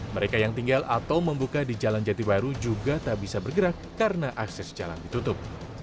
mereka yang tinggal atau membuka di jalan jati baru juga tak bisa bergerak karena akses jalan ditutup